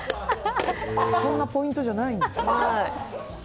そんなポイントじゃないんだ。